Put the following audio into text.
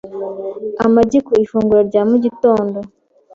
amagi ku ifunguro rya mu gitondo